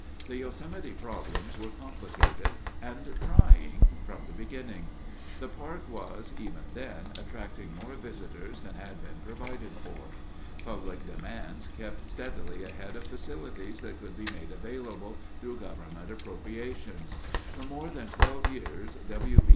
The Yosemite problems were complicated and trying from the beginning. The park was, even then, attracting more visitors than had been provided for. Public demands kept steadily ahead of facilities that could be made available through government appropriations. For more than twelve years W. B.